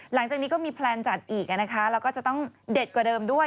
หลังจากนี้ก็มีแพลนจัดอีกนะคะแล้วก็จะต้องเด็ดกว่าเดิมด้วย